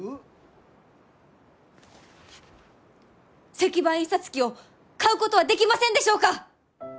石版印刷機を買うことはできませんでしょうか？